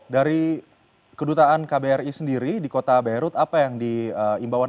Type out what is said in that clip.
dari kedutaan kbri sendiri di kota beirut apa yang diimbauan